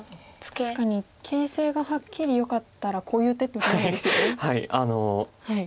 確かに形勢がはっきりよかったらこういう手って打たないですよね。